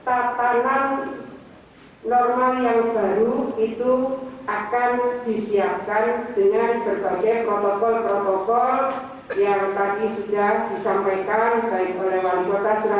aturan wali kota ini akan menjadi panduan perjalanan referensi